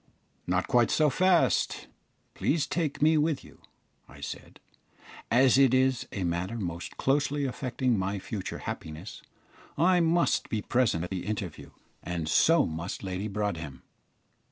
"Not quite so fast; please take me with you," I said. "As it is a matter most closely affecting my future happiness, I must be present at the interview, and so must Lady Broadhem."